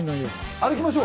歩きましょう。